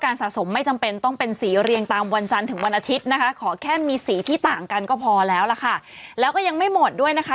สะสมไม่จำเป็นต้องเป็นสีเรียงตามวันจันทร์ถึงวันอาทิตย์นะคะขอแค่มีสีที่ต่างกันก็พอแล้วล่ะค่ะแล้วก็ยังไม่หมดด้วยนะคะ